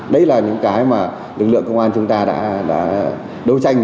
đây là những cái mà lực lượng công an chúng ta đã đấu tranh